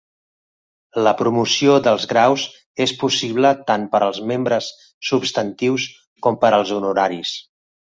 La promoció pels graus és possible tant per als membres substantius com per als honoraris.